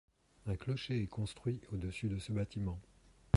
Un clocher est construit au-dessus de ce bâtiment.